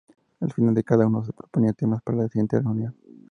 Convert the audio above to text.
Al final de cada una se proponían temas para la siguiente reunión.